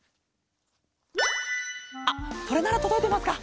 あっそれならとどいてますか？